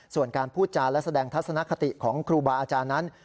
ส่วนการพูดจาและแสดงทัศนคติของครูบาอาจารย์นั้น